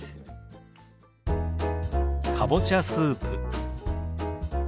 「かぼちゃスープ」。